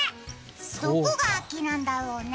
どこが秋なんだろうね？